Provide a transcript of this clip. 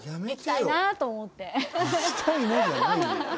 「行きたいな」じゃないよ